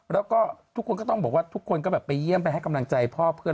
แล้วก็ทุกคนก็ต้องบอกว่าทุกคนก็แบบไปเยี่ยมไปให้กำลังใจพ่อเพื่อน